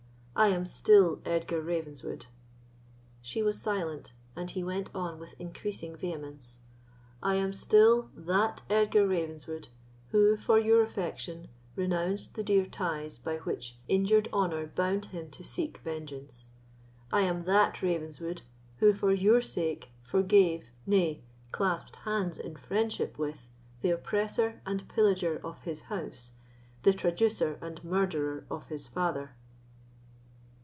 I am still Edgar Ravenswood." She was silent, and he went on with increasing vehemence: "I am still that Edgar Ravenswood who, for your affection, renounced the dear ties by which injured honour bound him to seek vengeance. I am that Ravenswood who, for your sake, forgave, nay, clasped hands in friendship with, the oppressor and pillager of his house, the traducer and murderer of his father."